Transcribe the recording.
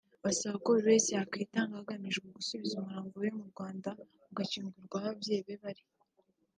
Basaba ko buri wese yakwitanga hagamijwe gusubiza umurambo we mu Rwanda ugashyingurwa aho ababyeyi be baba